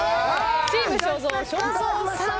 チーム正蔵正蔵さん